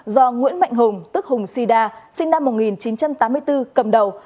do nguyễn mạnh hùng tức hùng sida sinh năm một nghìn chín trăm tám mươi bốn cầm đầu